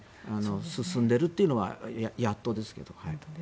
進んでいるっていうのはやっとですけど。